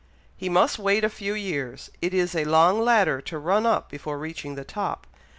"He must wait a few years. It is a long ladder to run up before reaching the top.